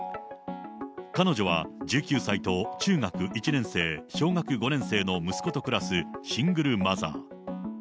彼女は、１９歳と中学１年生、小学５年生の息子と暮らすシングルマザー。